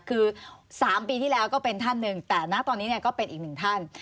คือ๓ปีที่แล้วก็เป็นท่านหนึ่งแต่นะตอนนี้เนี่ยก็เป็นอีกหนึ่งท่าน